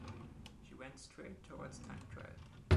She went straight towards time trial.